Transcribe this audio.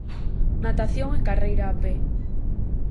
Natación e carreira a pé.